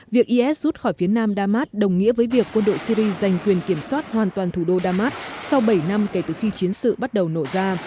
việc is rút khỏi phía nam damas đồng nghĩa với việc quân đội syri giành quyền kiểm soát hoàn toàn thủ đô damas sau bảy năm kể từ khi chiến sự bắt đầu nổ ra